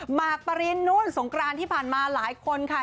หมากปรินนู่นสงกรานที่ผ่านมาหลายคนค่ะ